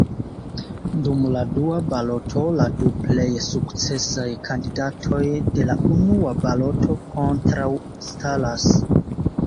Dum la dua baloto la du plej sukcesaj kandidatoj de la unua baloto kontraŭstaras.